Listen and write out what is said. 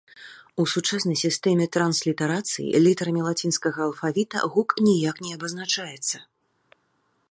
У сучаснай сістэме транслітарацыі літарамі лацінскага алфавіта гук ніяк не абазначаецца.